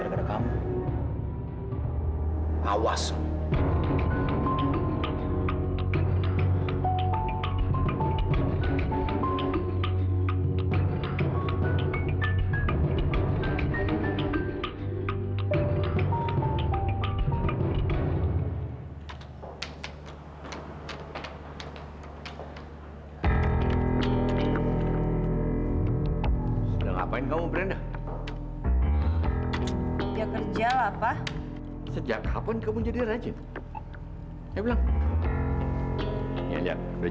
berapa lama kamu belajar